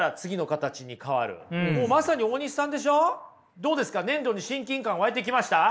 どうですか粘土に親近感湧いてきました？